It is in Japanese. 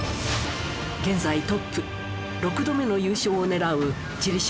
現在トップ６度目の優勝を狙う地理